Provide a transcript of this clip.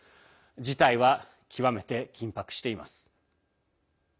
事態は極めて緊迫しています。